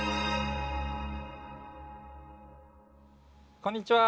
こんにちは。